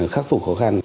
khắc phục khó khăn